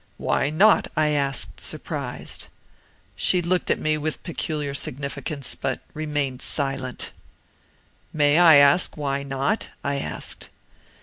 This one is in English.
"'Why not?' I asked, surprised. "She looked at me with peculiar significance, but remained silent. "'May I ask why not?' I asked.